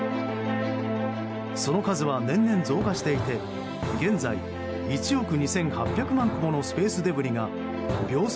その数は年々増加していて現在１億２８００万個ものスペースデブリが秒速